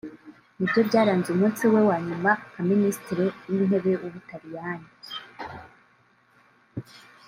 nibyo byaranze umunsi we wa nyuma nka minsitiri w’ intebe w’ u Butaliyani